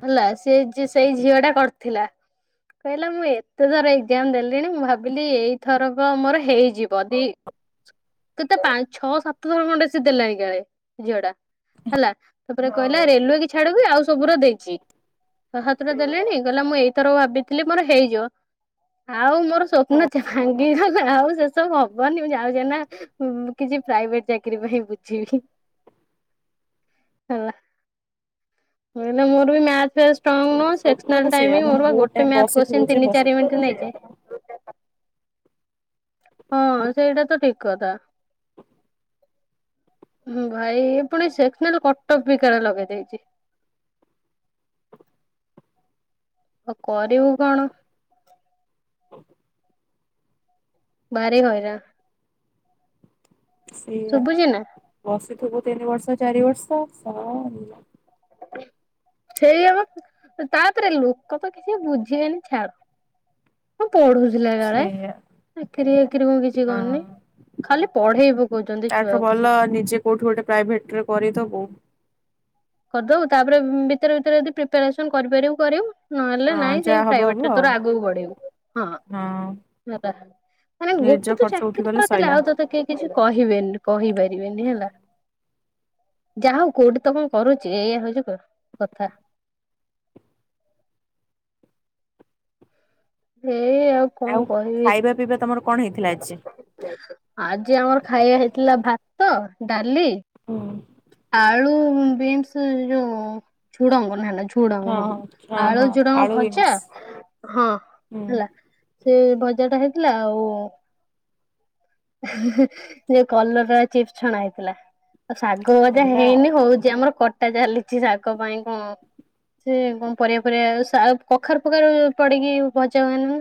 ହେଲା ସେଇ ଯେ ସେଇ ଝିଅ ଟା କରିଥିଲା। କହିଲା ମୁଁ ଏତେ ଥର ଏକ୍ଜାମ ଦେଲିଣି ମୁଁ ଭାବିଲି ଏଇଥରକ ମୋର ହେଇଯିବ ଦି କେତେ ପାଞ୍ଚ ଛଅ ସାତ ଥର ଖଣ୍ଡେ ସେ ଦେଲାଣି କାଳେ ଝିଅ ଟା ହେଲା। ତାପରେ କହିଲା ରେଲୱେ କୁ ଛାଡିକି ଆଉ ସବୁରା ଦେଇଚି। ଛ ସାତଟା ଦେଲେଣି କହିଲା ମୁଁ ଏଇଥର ଭାବିଥିଲି ମୋର ହେଇଯିବ। ଆଉ ମୋର ହଁ ସ୍ୱପ୍ନଛ ଭାଙ୍ଗି ଆଉ ସେସବୁ ହବନି ମୁଁ ଯାଉଚି ଏଇନା କିଛି ପ୍ରାଇଭେଟ ଚାକିରୀ ପାଇଁ ବୁଝିବି। ହେଲା ଏଇନା ମୋର ବି ମାଥ ଆସ ଶୁଣୁନୁ ସତରେ ସେକ୍ସନାଲ ସେଇଆ ଟାଇମ ମାନେ ମୋରପା ବହୁତ ଗୋଟେ ଟାଇମ ମ୍ୟାଥ ବସିଥିବୁ କୋଶଚିନି ଯେ ତିନି ଚାରି ବସିଥିବୁ ମିନିଟ ନେଇଯାଏ। ହଁ ସେଇଟା ତ ଠିକ କଥା। ଭାଇ ପୁଣି ସେକ୍ସନାଲ କଟକ ପିକାର ଲଗେଇ ଦେଇଛି। ଓ କରିବୁ କଣ? ବାରି ହଇରା ସେଇଆ ଶୁଭୁଛି ନା ବସିଥିବୁ ତିନି ବର୍ଷ ଚାରି ବର୍ଷ ସରିଲା। ସେଇଆ ବା ତାପରେ ଲୋକ ତ କିଛି ବୁଝିବେନି ଛାଡ। ମୁଁ ପଢୁଥିଲା କାଳେ? ସେଇଆ ଚାକିରି ଆକିରି ମୁ କିଛି ହଁ କରୁନି। ଖାଲି ପଢେଇ ପକଉଛନ୍ତି ଛୁଆକୁ। କେଉଠୁ ଗୋଟେ ପ୍ରାଇଭେଟରେ କରିଦବୁ। କରିଦବୁ ତାପରେ ଭିତରେ ଭିତରେ ଯଦି ପ୍ରିପାରେସନ କରିପାରିବୁ କରିବୁ। ନହେଲେ ହଁ ନାଇଁ ସେଇ ଯାହା ହବ ହବ ପ୍ରାଇଭେଟରେ ଆଉ ତର ଆଗକୁ ବଢେଇବୁ ହଁ। ନ ମାନେ ନିଜ ଗୋଟେ ତ ଖର୍ଚ୍ଚ ଚାକିରି ଉଠିଗଲେ କରଦେଲେ ସଇଲା। ଆଉ ତତେ କିଏ କିଛି କହିବେନି କହିପାରିବେନି ହେଲା। ଯା ହଉ କୋଉଠି ତ କ କରୁଛି ଏଇଆ ହଉଛି କ କଥା। ଏଇ ଆଉ କଣ କହିବି। ଖାଇବା ପିଇବା ତମର କଣ ହେଇଥିଲା ଆଜି? ଆଜି ଆମର ଖାଇବା ହେଇଥିଲା ଭାତ ଡାଲି ହୁଁ। ଆଳୁ ବିନ୍ସ ଯୋଉ ଝୁଡଙ୍ଗ ନା ନା ଝୁ ଝୁଡଙ୍ଗ ହଁ ହଁ ଆଳୁ ହଁ ଜୁଡଙ୍ଗ ଆଳୁ ଭଜା ବିନ୍ସ ହଁ ହୁଁ ହେଲା। ସେ ଭଜା ଟା ହେଇଥିଲା। ଆଉ ହୁଁ ହୁଁ ଏଇ କଲରା ଚିପ୍ସ ଛଣା ହେଇଥିଲା। ଆଉ ଶାଗ ଭଜା ହେଲା ଆଉ ହେଇନି ହଉ ଚି ଆମର କଟା ଚାଲିଛି ଶାଗ ପାଇଁ କଣ? ସେ କଣ ପରିବା ଫରିବା ଆଉ କଖାରୁ ଫକାରୁ ପ୍ରକାର ପଡିକି ଭଜାହୁଏନିନା।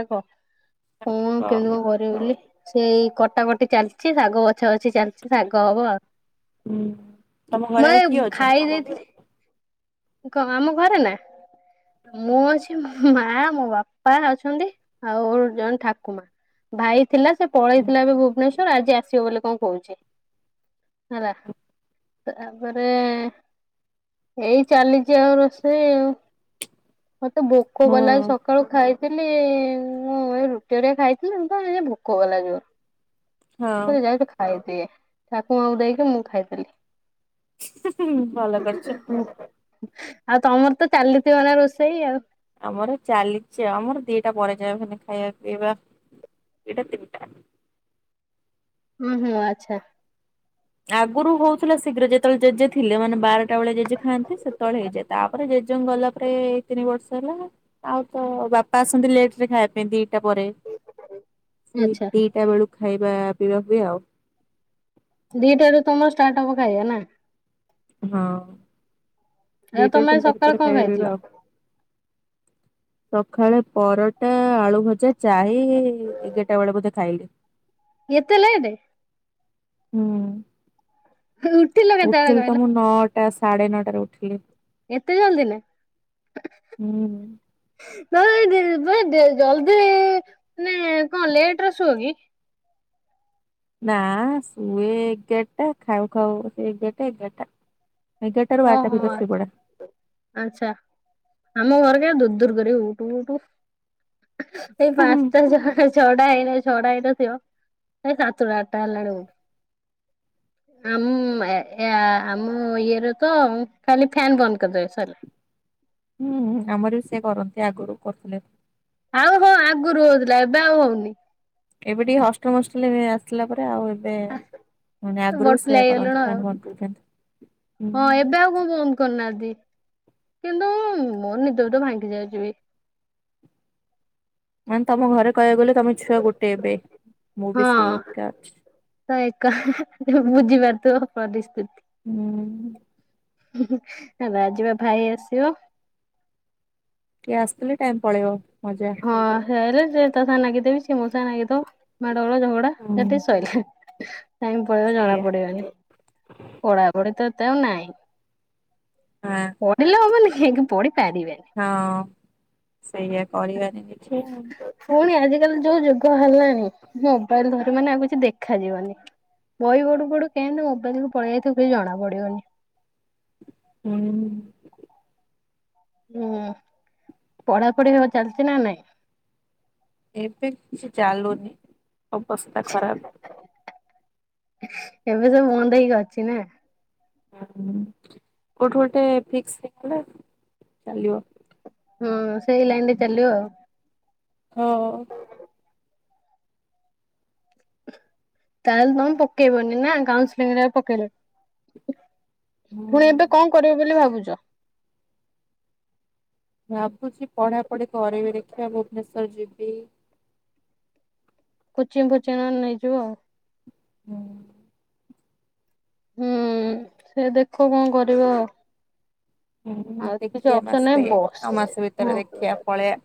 ଆ‌ କ କେମିତି କଣ କରିବି ବୋଲି? ସେଇ କଟାକଟି ଚାଲିଛି ଶାଗ ବଛା ବଛି ଚାଲିଛି ଶାଗ ହବ ଆଉ। ହୁଁ ତମ ଘରେ ମୁଁ ଆଉ ଏଇ କିଏ ଅଛନ୍ତି ଖାଇ ତମ ଦେଇଥିଲି। କ ଆମ ଘରେ ନା। ମୁଁ ଅଛି ମୋ ମା ମୋ ବାପା ଅଛନ୍ତି ଆଉ ଜଣେ ଠାକୁ ମା। ଭାଇ ଥିଲା ସେ ପଳେଇଥିଲା ଏବେ ଭୁବନେଶ୍ଵର ଆଜି ଆସିବ ବୋଲି କଣ କହୁଛି। ହେଲା ତାପରେ ଏଇ ଚାଲିଛି ଆଉ ରୋଷେଇ ଆଉ ମତେ ଭୋକ ହୁଁ କଲା ବି ସକା ସକାଳୁ ଖାଇଥିଲି ମୁଁ ଏଇ ରୁଟି ହେରିକା ଖାଇଥିଲି ତ ଭୋକ କଲା ଯୋର। ହଁ ମୁଁ ଯାଇକି ଖାଇଦିଏ ଠାକୁ ମା କୁ ଦେଇକି ମୁଁ ଖାଇଦେଲି। ଭଲ କରିଛ। ଆଉ ତମର ତ ଚାଲିଥିବ ଏନା ରୋଷେଇ ଆଉ। ଆମର ଚାଲିଛି ଆମର ଦିଟା ପରେ ଯା ଖାଇବା ପିଇବା ଦିଟା ତିନିଟା। ହୁଁ ହୁଁ ଆଚ୍ଛା। ଆଗରୁ ହଉଥିଲା ଶୀଘ୍ର ଯେତେବେଳେ ଜେଜେ ଥିଲେ ମାନେ ବାରଟା ବେଳେ ଜେଜେ ଖାନ୍ତି ସେତେବେଳେ ହେଇଯାେ ତାପରେ ଜେଜେଙ୍ଗ ଗଲା ପରେ ଏ ତିନି ବର୍ଷ ହେଲା। ଆଉ ତ ବାପା ଆସନ୍ତି ଲେଟ ରେ ଖାଇବା ପାଇଁ ଦିଟା ପରେ। ସେଇ ଆଚ୍ଛା ଦିଟା ବେଳକୁ ଖାଇବା ପିଇବା ହୁଏ ଆଉ। ଦିଟା ରୁ ତମର ଷ୍ଟାର୍ଟ ହବ ଖାଇବା ନା। ହଁ। ଆଉ ଦଟରୁ ତମେ ତିନିଟା ସକାଳୁ ଭିତାର କଣ ଖାଇବା ଖାଇଥିଲ ପିଇବା ଆଉ ସକାଳେ ପରଟା ଆଳୁ ଭଜା ଚାହି ଏଗାରଟା ବେଳେ ବୋଧେ ଖାଇଲି। ଏତେ ଲେଟ ହୁଁ, ଉଠିଲ କେତେବେଳେ ଉଠିଲି କହିଲ ତ ମୁଁ ନଅଟା ସାଡେ ନଅଟାରେ ଉଠିଲି। ଏତେ ଜଲଦି ନା? ହୁଁ। [inaudible] ଜଲଦି ମାନେ କଣ ଲେଟ୍ ରେ ଶୁଅ କି? ନା ଶୁଏ ଏଗାର ଟା, ଖାଉ ଖାଉ ସେ ଏଗାରଟା ଏଗାରଟା। ଏଗାରଟା ରୁ ବାରଟା ଓହୋ ଭିତରେ ଆଚ୍ଛା ଶୁଇପଡ଼େ। ଆଚ୍ଛା, ଆମ ଘର ଯା ଦୁର୍ ଦୁର୍ କରିବେ ଉଠୁ ଉଠୁ। ସେଇ ହୁଁ ପାନ୍ସଟା ଛଅଟା ହେଇନ ଛଅଟା ହେଇନଥିବ, ଏ ସାତଟା ଆଟା ହେଲାଣି ଉଠୁ। ଆମ୍ ଏ, ଏ, ଆ, ଆମ ଇଏର ତ ଖାଲି ଫ୍ୟନ୍ ବନ୍ଦ କରିଦେବେ ସରଲା। ହୁଁ, ହଁ, ଆମର ବି ସେ କରନ୍ତି ଆଗରୁ କରୁଥିଲେ। ଆଉ ହଁ ଆଗୁରୁ ହଉଥିଲା ଏବେ ଆଉ ହଉନି। ଏବେ ଟିକେ ହଷ୍ଟଲ୍ ମଷ୍ଟେଲ୍ ରେ ଆସିଲା ପରେ ତ ଆଉ ଏବେ ଆ ମାନେ ଆଗରୁ ବି ବଟୁଲା ସେୟା ହେଇଗଲୁଣୁ କରନ୍ତି ଆଉ। ଫ୍ୟାନ୍ ବନ୍ଦ କରିଦିଅନ୍ତି। ହୁଁ,। କିଏ ବି ଏମ୍ କରନାହାନ୍ତି। କିନ୍ତୁ ମୋର ନିଦ ବି ତ ଭାଙ୍ଗି ଯାଉଚି ବି। ମାନେ ତୋମ ଘରେ କହିବାକୁ ଗଲେ ତୋମେ ଛୁଆ ଗୋଟେ ଏବେ। ମୁଁ ବି ସେଇ ହଁ ଏକା ଅଛି। ତ ଏକା ତ ବୁଝି ପାରୁଥିବ ପରିସ୍ତିତ୍। ହୁଁ। ହେ ନା ଆଜି ବା ଭାଇ ଆସିବ। କିଏ ଆସିଥିଲି ଟାଇମ୍ ପଳେଇବ, ମଜା। ହଁ ସିଏ ଆଇଲେ ସେ ତା ସାଙ୍ଗରେ ନାଗିଥିବି, ସିଏ ମୋ ସାଙ୍ଗେ ନାଗିଥବ, ମାଡଗୋଳ ଝଗ ହୁଁ ଡାଶସେଠି ଶୋଇଲା ଟାଇମ୍ ପଳେଇବ ଜଣା ସେଇଆ ପଡିବନି। ପଢାପଢି ତ ଏତେ ଆଉ ନାଇଁ। ହଁ। ପଢିଲେ ହବନିକି [inaudible] ପଢି ପାରିବେନି। ହଁ ସେଇଆ କରିବାନି ବି। [inaudible] ଫୁଣି ଆଜିକାଲି ଯୋଉ ଯୁଗ ହେଲାଣି ମୋବାଇଲ୍ ଧରିବୁ ମାନେ ଆଉ କିଛି ଦେଖାଯିବନି। ବହି ପଢୁ ପଢୁ କେମତି ମୋବାଇଲ୍ କୁ ପଳିଆଇଥିବୁ କିଛି ଜଣା ପଡିବନି। ହୁଁ। ପଢାପଢି ହଁ ଚାଲିଚି ନା ନାଇଁ? ଏବେ କିଛି ଚାଲୁନି, ଅବସ୍ତା ଖରାପ। ଏବେ ସବୁ ବନ୍ଦ ହେଇକି ଅଛି ନା? ହଁ କୋଉଠୁ ଗୋଟେ ଫିକ୍ସ ହେଇଗଲେ ଚାଲିବ। ହଁ ସେଇ ଲାଇନ ରେ ଚାଲିବ। ହଁ। ତାହେଲେ ତୋମେ ପକେଇବନି ନା କାଉସିଲିଂ ରେ ଆଉ ପକେଇଲ ଫୁଣି ହୁଁ ଏବେ କଣ କରିବ ବୋଲି ଭାବୁଛ? ଭାବୁଛି ପଢାପଢି କରିବି ଦେଖିଆ ଭୁବନେଶ୍ଵର ଯିବି। କୋଚିଙ୍ଗ ଫୋଚିଙ୍ଗ ନନେ ନେଇଯିବ। ହଁ। ହୁଁ, ସେ ଦେଖ କଣ କରିବ। ହୁଁ, ଆଉ କିଛି ଦେଖିଆ ଅପସନ ମାସେ ନାହିଁ ବସ୍ ଆଉ ମାସ ହଁ ଭିତରେ ଦେଖିଆ ପଳେଇଆ।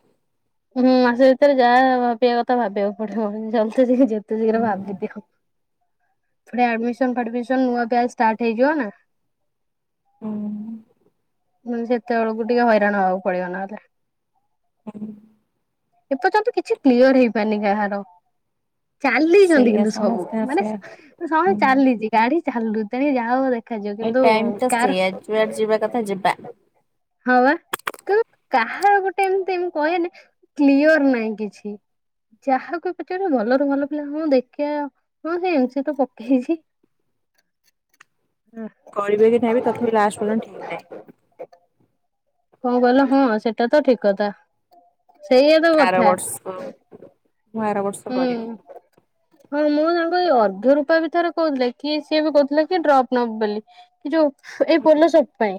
ହୁଁ, ମାସେ ଭିତରେ ଯାହା ଭାବିବା କଥା ଭାବିବାକୁ ପଡିବ ହେଲେ ଜଲଦି ଜଲଦି ଯେ ତେ ଶୀଘ୍ର ହୁଁ ଭାବିଦିଅ ଫେର୍ ଆଡମିସନ୍ ଫାଡମିସନ୍ ନୂଆ ବ୍ୟାଜମଚ୍ ଷ୍ଟାର୍ଟ ହେଇଯିବ ନା। ହଁ। ନନେ ସେତେବେଳକୁ ଟିକେ ହଇରାଣ ହବାକୁ ପଡିବ ନହେଲେ। ହଁ। ଏପର୍ଯ୍ୟନ୍ତ କିଛି କ୍ଲିୟର୍ ହେଇପାରନି କାହାର। ଚାଲିଛନ୍ତି ସେଇଆ କିନ୍ତୁ ସବୁ, ସମସ୍ତଙ୍କ ମାନେ ସେଇଆ। ସହେ ହୁଁ ଚାଲିଚି। ଗାଡି ଚାଲୁ ତେଣିକି ଯାହା ହବ ଦେଖାଯିବ। ଏ କିନ୍ତୁ ଟାଇମ ତ ସେଇଆ ଯୁଆଡେ କାର ଯିବା କଥା ଯିବା। ହଁ ବା। କିନ୍ତୁ କାହାର ଗୋଟେ ଏମତି ମୁଁ କହେନି କ୍ଲିଅର ନାହିଁ କିଛି। ଯାହାକୁ ପଚାରିବୁ ଭଲରୁ ଭଲ ପିଲା ମୁ ଦେଖିଆ। ହଁ ସେ ଏମିତି ତ ପକେଇଛି। କରିବେ କି ନାହିଁ ବି ତଥାପି ଲାଷ୍ଟ ପର୍ଯ୍ୟନ୍ତ ଠିକ୍ ନାହିଁ। କଣ କହିଲ ହଁ ସେଟା ତ ଠିକ୍ କଥା। ସେଇଆ ତ ଆର କଥା ବର୍ଷ। ମୁଁ ଆର ବର୍ଷ ହୁଁ। କରିବି। ହଁ ମୁଁ ତାଙ୍କ ଏଇ ଅର୍ଘ୍ୟ ରୂପା ବିଥରେ କହୁଥିଲେ କି ସିଏ ବି କହୁଥିଲେ କି ଡ୍ରପ୍ ନବ ବୋଲି। କି ଯୋଉ ଏଇ ପୋଲ ସୋପ୍ ପାଇଁ।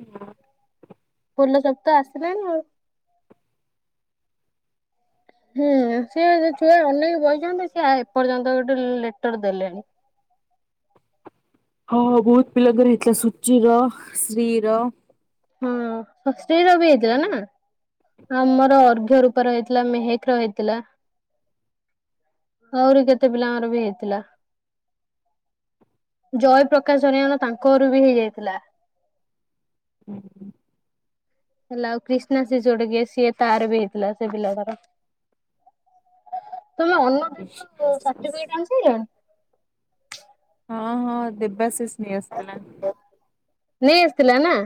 ହଁ। ପୋଲ ସୋପ୍ ତ ଆସିଲାଣି ଆଉ। ହୁଁ ସେ ଛୁଆ ଅନେଇ ବଇ ଛନ୍ତି ସିଏ ଏପର୍ଯ୍ୟନ୍ତ ଗୋଟେ ଲେଟର ଦେଲେନି। ହଁ ବୋହୁତ୍ ପିଲାଙ୍କର ହେଇଥିଲା ସୂଚୀର ଶ୍ରୀ ର ହଁ ଶ୍ରୀ ର ବି ହେଇଥିଲା ନା? ଆମର ଅର୍ଘ୍ୟ ରୁ କରା ହେଇ ଥିଲା ମେହେକ ର ହେଇ ଥିଲା। ଆହୁରି କେତେ ପିଲାଙ୍କମର ବି ହେଇଥିଲା। ଜୟ ପ୍ରକାଶ ହେରିଆଙ୍କର ତାଙ୍କ ଘରୁ ବି ହେଇଯାଇଥିଲା। ହୁଁ। ହେଲା ଆଉ କ୍ରିଷ୍ଣା ସେ ଝିଅ ଟି କିଏ ତାର ବି ହେଇଥିଲା ସେ ପିଲାର ତମେ ଅନ୍ନ [unintelligible] ଶ୍ରୀର ସାର୍ଟିଫିକେଟ୍ ଆଣିସାରିଲଣି? ହଁ ହଁ ଦେବାଶିସ୍ ନେଇ ଆସିଥିଲା। ନେଇ ଆସିଥିଲା ନା।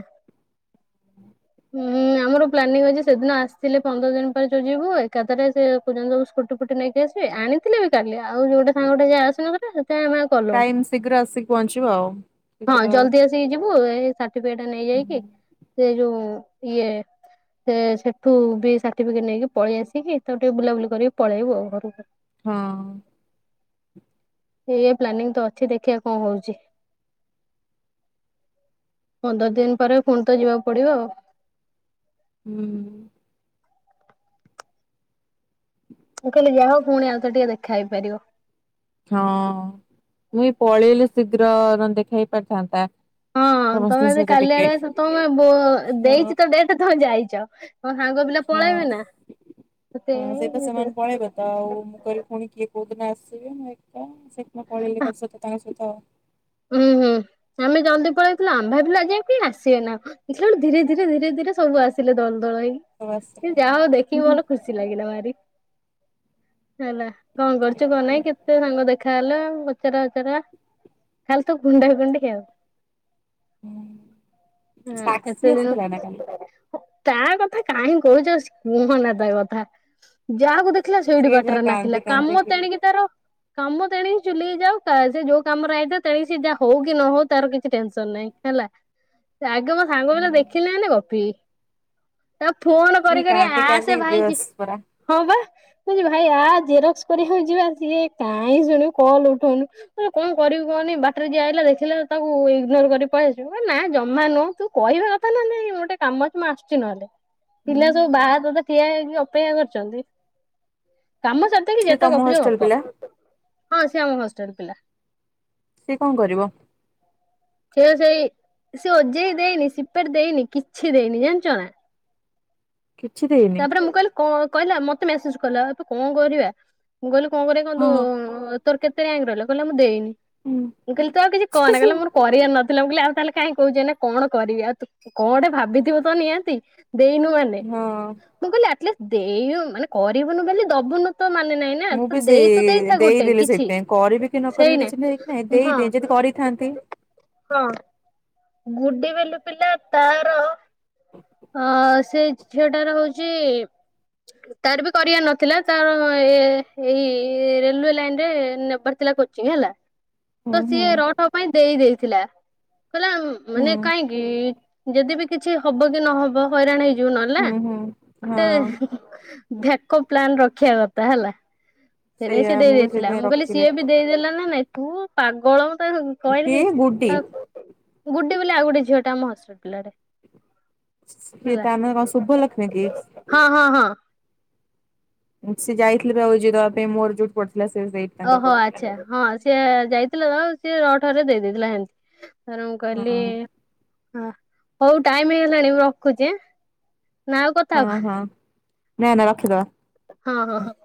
ହୁଁ ଆମର ପ୍ଲାନିଂ ଅଛି ସେଦିନ ଆସିଥିଲେ ପନ୍ଦର ଦିନ ପାଇଁ ତ ଯିବୁ ଏକାଥରେ ସେ କହୁଛନ୍ତି ସ୍କୁଟି ଛୁଟି ନେଇକି ଆସିବେ, ଆଣିଥିଲେ ବି କାଲି ଆଉ ଗୋଟେ ସାଙ୍ଗ ଟେ ସେ ଆସିବ କହିଲେ ସେଥିପାଇଁ ଆମେ କଲୁନୁ। ଟାଇମ୍ ଶୀଘ୍ର ଆସିକି ପହଞ୍ଚିବ ଆଉ। ହଁ ଶୀଘ୍ର ଜଲ୍ଦି ଆସିକି ଯିବୁ, ଏଇ ସାର୍ଟିଫିକେଟ୍ ହୁଁ, ନେଇଯାଇକି ସେ ଯୋଉ ଇଏ ସେ ସେଠୁ ବି ସାର୍ଟିଫିକେଟ୍ ନେଇକି ପଳେଇ ଆସିକି ତ ଟିକେ ବୁଲାବୁଲି କରିକି ପଳେଇବୁ ଆଉ ଘରକୁ। ହଁ। ଏୟା ପ୍ଲାନିଂ ତ ଅଛି ଦେଖିବା କଣ ହୋଉଛି। ପନ୍ଦର ଦିନ୍ ପରେ ଫୁଣି ତ ଯିବାକୁ ପଡିବ ଆଉ। ହୁଁ। ହ ମୁଁ କହିଲି ଯାହା ହୋଉ ଫୁଣି ଆଉ ଥରେ ଟିକେ ଦେଖା ହେଇପାରିବ। ହଁ ମୁଇଁ ପଳେଇଲି ଶୀଘ୍ର ନ ଦେଖା ହେଇ ପାରିଥାନ୍ତା। ହଁ ତମେ ସମସ୍ତଙ୍କ ଜଦୀ ସହିତ କାଲି ଟିକେ ଆଡେ ଆସିବ ତମେ ବୋ ହଁ ଦେଇଛି ତ ଡେଟ୍ ତମେ ଯାଇଛ। ତମ ସାଙ୍ଗ ପିଲା ହଁ। ପଳେଇବେନା? କେତେ ହଁ ସେଇପା ସେ ସେମାନେ ପଳେଇବେ ତ ଆଉ ମୁଁ କହିଲି ଫୁଣି କିଏ କୋଉ ଦିନ ଆସିବେ, ମୁଁ ଏକା ସେ ଦିନ ପଳେଇଲେ ତା ସହିତ ତାଙ୍କ ସହିତ ଉୁଁ ହୁଁ ଆମେ ଜଲ୍ଦି ପଳେଇଥିଲୁ, ଆମ୍ ଭାବିଲୁ ଆଜି ଆଉ କେହି ଆସିବେନି ନା କ ଦେଖିଲ ବେଳୁ ଧୀରେ, ଧୀରେ, ଧୀରେ, ଧୀରେ ସବୁ ଆସିଲେ ଦଳ ଦଳ ସବୁ ହେଇକି। ଆସିଥିଲେ। ଯାହା ହୋଉ ହୁଁ ଦେଖିକି ହୁଁ ମନ ଖୁସି ଲାଗିଲା ଭାରି, ହେଲା। କଣ କରୁଛ, କଣ ଦେଖିଆ ନାହିଁ କେତେ ସାଙ୍ଗ ଦେଖା ହେଲା ପଚରା ଉଚରା ଖାଲି ତ କୁଣ୍ଢା କୁଣ୍ଡି ଆଉ। ହୁଁ ହୁଁ ସାକ୍ଷୀ ଏତେ ଦିନ ଆସିଥିଲା ନା କାଲି? ତା କଥା କାହିଁ କହୁଛ, ସେ କୁହନା ତା କଥା। ଯାହାକୁ ଦେଖ ଖିଲା, ସେଇଠି ସିଏ ଯା ବାଟରେ ନାଖିଲା, କାନ୍ଦି କାମ କାନ୍ଦିକି ତେଣିକି ତାର କାମ ତେଣିକି ଚୁଲିକି ଯାଉ କା ସେ ଯୋଉ କାମରେ ଆଇଥିଲେ ତେଣିକି ସେ ଯାହା ହୋଉ କି ନ ହୋଉ, ତାର କିଛି ଟେନସନ୍ ନାହିଁ ହେଲା। ସେ ଆଗ ସାଙ୍ଗ ହୁଁ ପିଲା ଦେଖିଲେ ମନେ ଗପିବେ। ତାକୁ ଫୋନ୍ ସିଏ କରି କରି କାନ୍ଦି ଆସେ କାନ୍ଦିକି ଭାଇଜି ବେହୋସ ପରା। ହଁବା। ମୁକୋଉଚି ଭାଇ ଆ ଜେରକ୍ସ୍ କରିବାକୁ ଯିବା ସିଏ କାଇଁ ଶୁଣିବ କଲ୍ ଉଠଉନି କଣ କରିବୁ ମୁକୁହିନି ବାଟରେ ଯିଏଆଇଲା ଦେଖିଲେ ତାକୁ ଇଗ୍ନୋର କରି ପଳେଇ ଆସିବୁ ଏନା ଜମା ନୁହଁ ତୁ କହିବା କଥାନା ନାହିଁ ଗୋଟେ କାମ ମୁଁ ଆସିଚି ନହେଲେ ହୁଁ ପିଲା ସବୁ ବାହାରେ ତତେ ଠିଆ ହେଇକି ଅପେକ୍ଷା କରିଚନ୍ତି କାମ ସେ ସାରିଦେଇକି ସିଏ ଯେତେ ତମ ଗପୁଚୁ ହଷ୍ଟେଲ ପିଲା ଗପ ହଁ ସିଏ ଆମ ହଷ୍ଟେଲ୍ ପିଲା। ସିଏ କଣ କରିବ? ସେଏ ସେଇ ସେଓଜେଇ ଦେଇନି ସିପେଟ୍ ଦେଇନି କିଛି ଦେଇନି ଜାଣିଚନା। କିଛି ଦେଇ ତାପରେ ମୁଁ କହିଲି କ କହିଲା ମତେ ମେସେଜ୍ କଲା ଆତୁ କଣ କରିବା ମୁଁ କହିଲି କଣ କରିବା ହଁ କହନ୍ତୁ ହଁ ତୋର କେତେ ଆଙ୍କ ରହିଲା କହିଲା ମୁଁ ଦେଇନି। ମୁକହିଲି ତୁଆଉ କିଛି କହନା ହୁଁ କହିଲା ମୋର କରିବାର ନ ଥିଲା ମୁକଇଲି ଆଉ ତାହେଲେ କାହିଁ କହୁଚୁ ଏଇନା କଣ କରିବି ଆଉତୁ କଣଟେ ଭାବିଥିବତ ନିହାତି ଦେଇନୁ ମାନେ ହଁ। ମୁଁ କହିଲି ଆଟଲିଷ୍ଟ ଦେଇ ମାନେ କରିବୁନୁ ବୋଲି ଦବୁନୁତ ମାନେ ନାଇଁ ନା ମୁଁ ତୁ ବି ସେ ଦେଇତ ଦେଇଥା ଗୋଟେ ଦେଇଦେଲି କିଛି ସେଇଥିପାଇଁ କରିବି କି ନ କରିବି କିଛି ଠିକ୍ ନାହିଁ କି ନାଇଁ ସେଇନାଇ ହଁ। ଦେଇଦିଏ ଯଦି କରିଥାନ୍ତି। ହଁ। ଗୁଡି ବେଲ ପିଲା ତାର [unintelligible] ହଁ ସେଇ ଝିଅଟାର ହଉଚି ତାରବି କରିବାର ନଥିଲା ତାର ଏ ଏଇ ରେଲୱେ ଲାଇନ୍ ରେ ନବା ଥିଲା କୋଚିଂ ହେଲା। [unintelligible] ତ ହୁଁ ସିଏ ରଠ ପାଇଁ ଦେଇ ଦେଇଦେଇଥିଲା କହିଲା ହୁଁ ମାନେ କାହିଁକି କି ଯଦିବି କିଛି ହବକି ନହବ ହଇରାଣ ହେଇଯିବ ନହେଲେନା ହୁଁ ହୁଁ ମତେ ହଁ ବ୍ୟାକପ ପ୍ଲାନ ରଖିବା କଥା ହେଲା। ସେଇନାଗି ସିଏ ସେଇଆ ମୁଁ ବି ଦେଇଦେଇଥିଲା ସେଇଥିପାଇଁ ମୁଁ କହିଲି ରଖିଥିଲି। ସିଏବି ଦେଇଦେଲାନା ନାଇଁ ତୁ ପାଗଳ ତା କହିଲି କିଏ ଗୁଡି ତାକୁ ଗୁଟ ବୋଲି ଆଉ ଗୋଟେ ଝିଅଟା ଆମ ହସ୍ପିଟାଲରେ। ସିଏ ତାନ କଣ ଶୁଭ ଲକ୍ଷ୍ମିକି? ହଁ ହଁ ହଁ। ସେ ଯାଇଥିଲେ ଆଉ ଯୋଉ ଦବାପାଇଁ ମୋର ଯୋଉି ପଡଥିଲା ସିଏ ସେଇ ଓହୋ ଆଚ୍ଛା ହଁ ସିଏ ଯାଇଥିଲା ଦବାକୁ ସିଏ ରଠରେ ଦେଇଦେଇଥିଲା ହେମି ତାପରେ ହଁ ମୁକହିଲି ହଉ ଟାଇମ୍ ହେଇଗଲାଣି ମୁଁ ରଖୁଛି ଆଁ। ନା ଆଉ କଥା ହଁ ହବ ହଁ ନା ନା ରଖିଦବା। ହଁ ହଁ ହଁ।